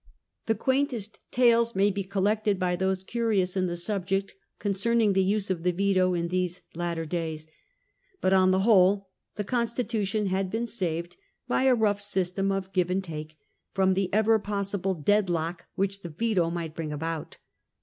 The quaintest tales may be collected, by those curious in the subject, concerning the use of the veto in these latter days. But on the whole the constitution had been saved, by a rough system of give and take, from the ever possible deadlock which the veto might bring about.